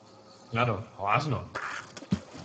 Claro, o asno!